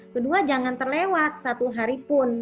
kedua jangan terlewat satu hari pun